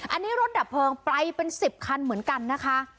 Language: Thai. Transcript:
อันนี้รถดับเพลิงไปเป็น๑๐คันเหมือนกันนะคะ